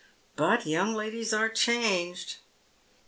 But young ladies are changed."